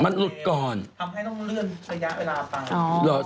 ทำให้ต้องเลื่อนระยะเวลาไป